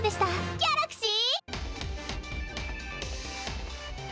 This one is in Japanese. ギャラクシー！